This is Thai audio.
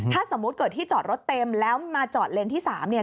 ถ้าสมมุติเกิดที่จอดรถเต็มแล้วมาจอดเลนส์ที่๓เนี่ย